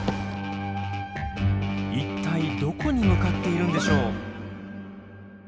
一体どこに向かっているんでしょう？